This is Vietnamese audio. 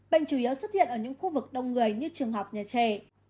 bệnh chủ yếu xuất hiện ở những khu vực đông người như trường học nhà trẻ